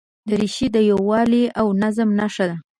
دریشي د یووالي او نظم نښه ده.